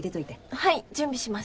はい準備します。